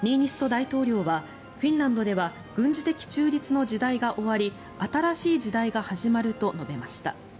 大統領はフィンランドでは軍事的中立の時代が終わり新しい時代が始まると述べました。